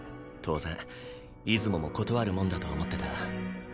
当然出雲も断るもんだと思ってた。